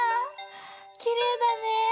きれいだね。